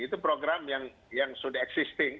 itu program yang sudah existing